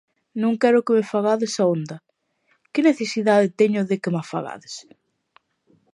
Non quero que me fagades a onda, que necesidade teño de que ma fagades?